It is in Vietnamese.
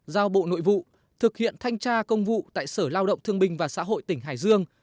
giao bộ nội vụ thực hiện thanh tra công vụ tại sở lao động thương binh và xã hội tỉnh hải dương